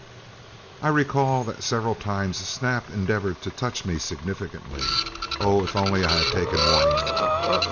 I recall that several times Snap endeavored to touch me significantly. Oh, if only I had taken warning!